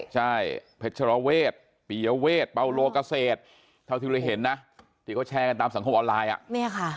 ใช่เพชรเวศปียเวทเปาโลเกษตรเท่าที่เราเห็นนะที่เขาแชร์กันตามสังคมออนไลน์อ่ะเนี่ยค่ะ